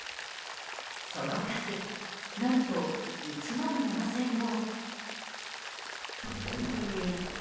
その数、何と１万７０００本。